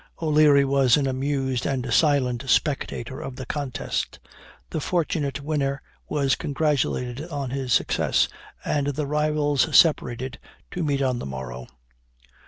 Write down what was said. O'Leary was an amused and silent spectator of the contest. The fortunate winner was congratulated on his success; and the rivals separated to meet on the morrow.